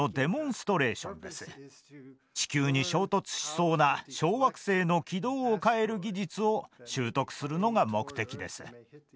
地球に衝突しそうな小惑星の軌道を変える技術を習得するのが目的です。